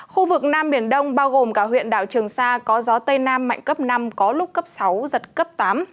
khu vực nam biển đông bao gồm cả huyện đảo trường sa có gió tây nam mạnh cấp năm có lúc cấp sáu giật cấp tám